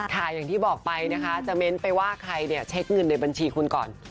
อย่างที่บอกไปนะคะจะเน้นไปว่าใครเนี่ยเช็คเงินในบัญชีคุณก่อน